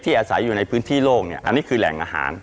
อาศัยอยู่ในพื้นที่โลกเนี่ยอันนี้คือแหล่งอาหาร